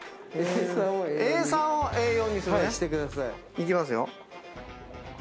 いきますよ。